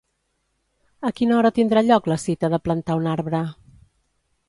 A quina hora tindrà lloc la cita de plantar un arbre?